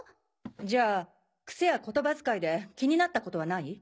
じゃあ癖や言葉遣いで気になったことはない？